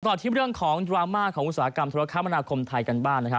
ต่อที่เรื่องของดราม่าของอุตสาหกรรมธุรกรรมนาคมไทยกันบ้างนะครับ